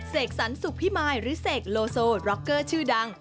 เสกสรรสุขพิมายหรือเสกโลโซร็อกเกอร์ชื่อดัง